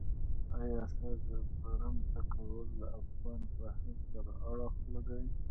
آیا ښځه برمته کول له افغان فرهنګ سره اړخ لګوي.